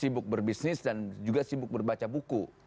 sibuk berbisnis dan juga sibuk berbaca buku